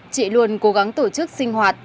chị luôn cố gắng tổ chức sinh hoạt